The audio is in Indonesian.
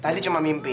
tadi cuma mimpi